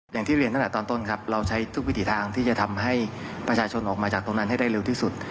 อย่างที่เรียนตั้งแต่ตอนต้นครับเราใช้ทุกวิถีทางที่จะทำให้ประชาชนออกมาจากตรงนั้นให้ได้เร็วที่สุด